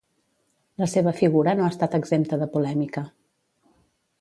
La seva figura no ha estat exempta de polèmica.